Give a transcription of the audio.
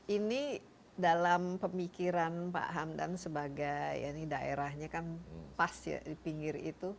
ini dalam pemikiran pak hamdan sebagai daerahnya kan pas ya di pinggir itu